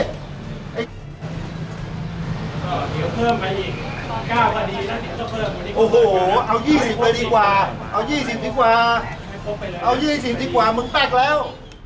โอ้โหเอายี่สิบเลยดีกว่าเอายี่สิบดีกว่าเอายี่สิบดีกว่ามึงแปลกแล้ว